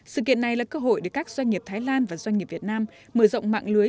sự kiện này là cơ hội để các doanh nghiệp thái lan và doanh nghiệp việt nam mở rộng mạng lưới